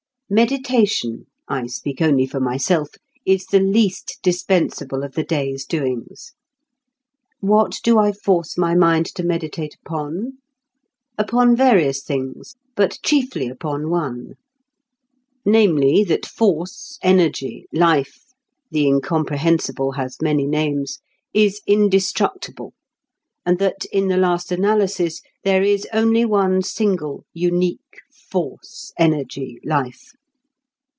Meditation (I speak only for myself) is the least dispensable of the day's doings. What do I force my mind to meditate upon? Upon various things, but chiefly upon one. Namely, that Force, Energy, Life the Incomprehensible has many names is indestructible, and that, in the last analysis, there is only one single, unique Force, Energy, Life.